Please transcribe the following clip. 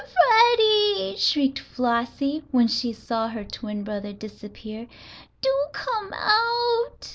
Freddie!" shrieked Flossie, when she saw her twin brother disappear. "Do come out!"